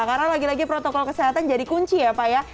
karena lagi lagi protokol kesehatan jadi kunci ya pak ya